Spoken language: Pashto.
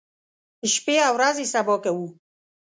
شپې او ورځې سبا کوو.